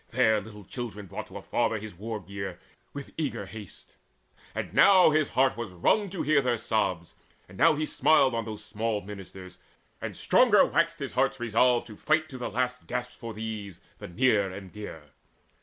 There little children brought To a father his war gear with eager haste; And now his heart was wrung to hear their sobs, And now he smiled on those small ministers, And stronger waxed his heart's resolve to fight To the last gasp for these, the near and dear.